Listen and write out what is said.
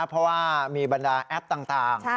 เพราะว่ามีบรรดาแอปต่าง